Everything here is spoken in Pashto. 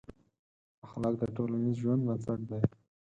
اخلاق د ټولنیز ژوند بنسټ دی.